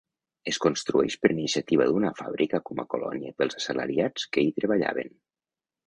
Es construeix per iniciativa d'una fàbrica com a colònia pels assalariats que hi treballaven.